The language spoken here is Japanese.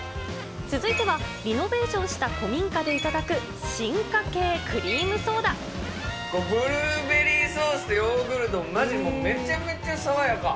続いては、リノベーションした古ブルーベリーソースとヨーグルト、まじ、もうめちゃめちゃ爽やか。